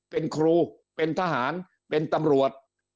เป็นครูเป็นทหารเป็นตำรวจ